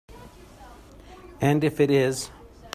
And if it is?